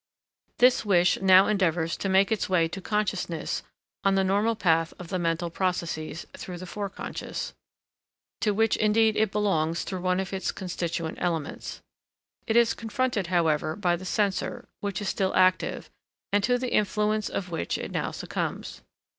This wish now endeavors to make its way to consciousness on the normal path of the mental processes through the foreconscious, to which indeed it belongs through one of its constituent elements. It is confronted, however, by the censor, which is still active, and to the influence of which it now succumbs.